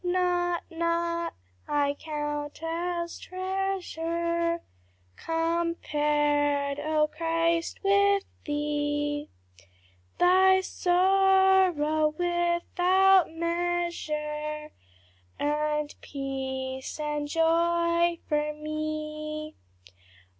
"'Naught, naught I count as treasure, Compared, O Christ, with thee; Thy sorrow without measure Earned peace and joy for me.